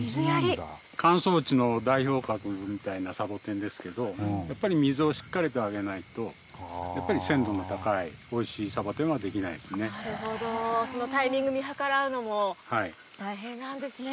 乾燥地の代表格みたいなサボテンですけど、やっぱり水をしっかりあげないと、やっぱり鮮度の高い、おいしいサボテンは出来ななるほど、そのタイミングを見計らうのも大変なんですね。